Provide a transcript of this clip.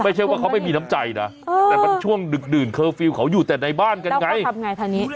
ไม่ใช่ว่าเขาไม่มีน้ำใจนะแต่มันช่วงดึกดื่นเคอร์ฟิลล์เขาอยู่แต่ในบ้านกันไงทำไงทางนี้